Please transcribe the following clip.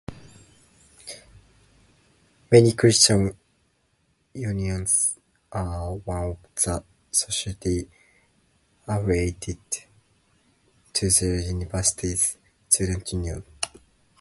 Many Christian unions are one of the societies affiliated to their universities' students' union.